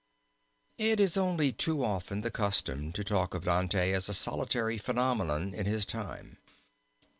It is only too often the custom to talk of Dante as a solitary phenomenon in his time.